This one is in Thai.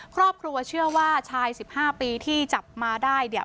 ครอบครัวเชื่อว่าชาย๑๕ปีที่จับมาได้เนี่ย